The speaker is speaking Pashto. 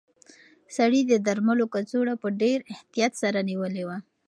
سړي د درملو کڅوړه په ډېر احتیاط سره نیولې وه.